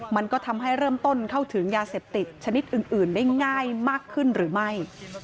มันก็ทำให้เริ่มต้นเข้าถึงยาเสพติดชนิดอื่นได้ง่ายมากขึ้นหรือไม่